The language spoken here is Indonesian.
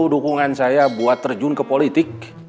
dukungan saya buat terjun ke politik